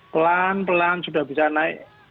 pelan pelan sudah bisa naik